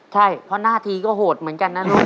ใช่เพราะหน้าทีก็โหดเหมือนกันนะลูก